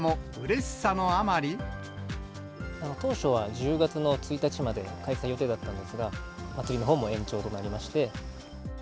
当初は１０月の１日まで開催予定だったんですが、祭りのほうも延長となりまして。